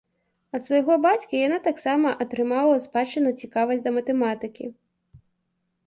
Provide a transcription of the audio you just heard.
Ад свайго бацькі яна таксама атрымала ў спадчыну цікавасць да матэматыкі.